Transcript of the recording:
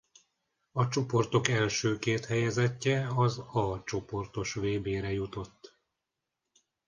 A csoportok első két helyezettje az A csoportos vb-re jutott.